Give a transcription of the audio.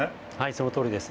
そのとおりです。